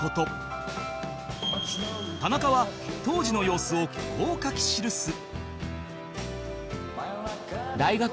田中は当時の様子をこう書き記す